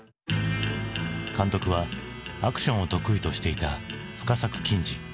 監督はアクションを得意としていた深作欣二。